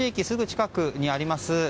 すぐ近くにあります